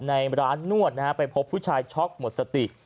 ในร้านนวดนะฮะไปพบผู้ชายช็อกหมดสติ